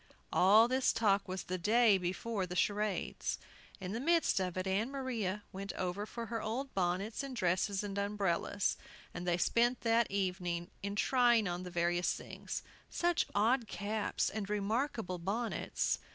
All this talk was the day before the charades. In the midst of it Ann Maria went over for her old bonnets and dresses and umbrellas, and they spent the evening in trying on the various things, such odd caps and remarkable bonnets!